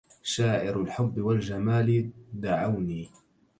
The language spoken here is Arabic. شاعر الحب والجمال دعوني